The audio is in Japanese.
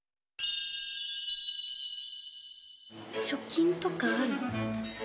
貯金とかある？